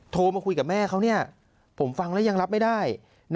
โทรมาคุยกับแม่เขาผมฟังแล้วยังรับไม่ได้